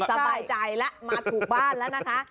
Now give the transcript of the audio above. สบายใจแล้วมาถูกบ้านแล้วนะคะ